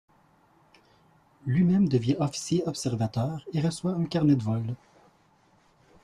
Lui-même devient officier observateur et reçoit un carnet de vol.